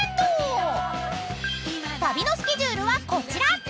［旅のスケジュールはこちら］